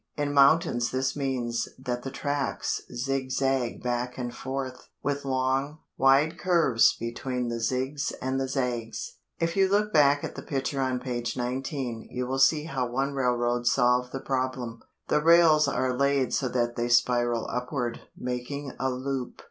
In mountains this means that the tracks zig zag back and forth, with long, wide curves between the zigs and the zags. If you look back at the picture on page 19, you will see how one railroad solved the problem. The rails are laid so that they spiral upward, making a loop.